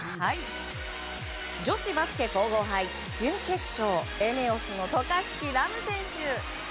女子バスケ皇后杯準決勝ＥＮＥＯＳの渡嘉敷来夢選手。